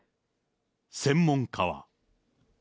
専門家は。